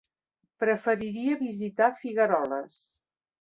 Preferiria visitar Figueroles.